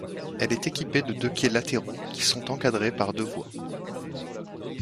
Elle est équipée de deux quais latéraux qui sont encadrés par deux voies.